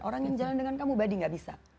orang yang jalan dengan kamu badi gak bisa